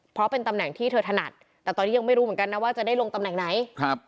เพราะเป็นตำแหน่งที่เธอถนัดแต่ตอนนี้ยังไม่รู้เหมือนกันนะว่าจะได้ลงตำแหน่งไหนครับ